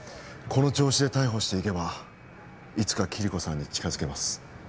この調子で逮捕していけばいつかキリコさんに近づけます